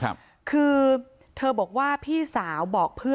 ต่างฝั่งในบอสคนขีดบิ๊กไบท์